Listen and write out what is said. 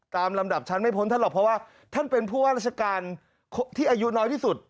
ลำดับชั้นไม่พ้นท่านหรอกเพราะว่าท่านเป็นผู้ว่าราชการที่อายุน้อยที่สุด